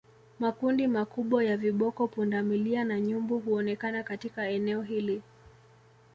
Makundi makubwa ya viboko pundamilia na nyumbu huonekana katika eneo hili